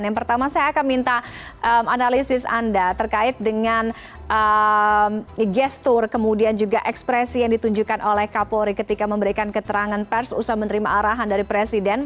yang pertama saya akan minta analisis anda terkait dengan gestur kemudian juga ekspresi yang ditunjukkan oleh kapolri ketika memberikan keterangan pers usaha menerima arahan dari presiden